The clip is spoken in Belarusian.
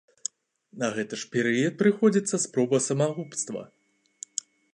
На гэты ж перыяд прыходзіцца спроба самагубства.